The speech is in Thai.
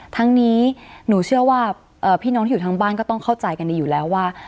ทั้งนี้หนูเชื่อว่าพี่น้องที่อยู่ทางบ้านก็ต้องเข้าใจกันดีอยู่แล้วว่า